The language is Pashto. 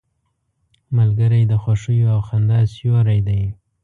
ملګری د خوښیو او خندا سیوری دی